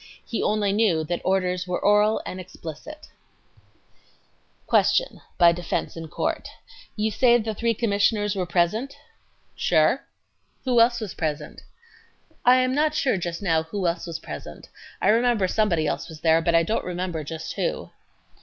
He only knew that "orders were oral and explicit." Q. [By defense in court You say the three commissioners were present? A. Sure. Q. Who else was present? A. I am not sure just now who else was present. I remember somebody else was there, but I don't remember just who